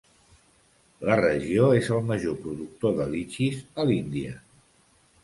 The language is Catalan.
La regió és el major productor de litxis a l'Índia.